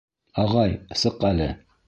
Ағай, сыҡ әле!